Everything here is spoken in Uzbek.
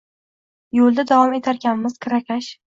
Yo`lda davom etarkanmiz, kirakash